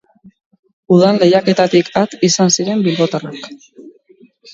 Udan lehiaketatik at izan ziren bilbotarrak.